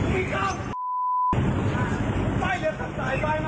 ไม่ทำเล่นเถอะไอ้โง่